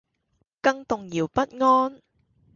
更動搖不安